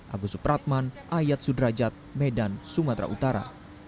agus supratman ayat sudrajat medan sumatera utara